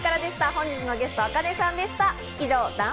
本日のゲストａｋａｎｅさんでした。